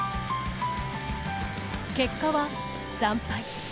結果は、惨敗。